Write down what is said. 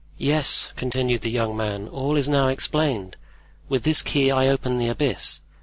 "Yes," continued the young man; "all is now explained; with this key I open the abyss.